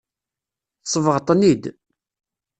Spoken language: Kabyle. Tsebɣeḍ-ten-id.